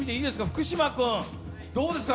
福嶌君どうですか。